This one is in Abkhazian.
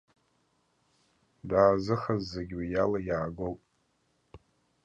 Даазыхаз зегь уи ала иаагоуп.